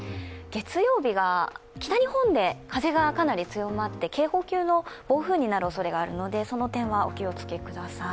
月曜日が北日本で風がかなり強まって警報級の暴風になるおそれがあるのでその点はお気をつけください。